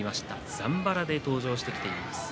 ざんばらで登場してきています。